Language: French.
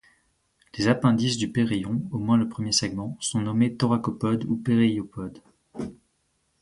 Les appendices du péréion, au moins le premier segment, sont nommés thoracopodes ou péréiopodes.